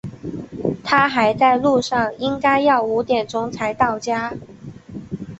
他还在路上，应该要五点钟才能到家。